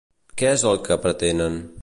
Què és el que pretenen?